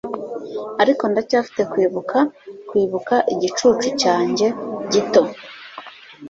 ariko ndacyafite kwibuka kwibuka igicucu cyanjye gito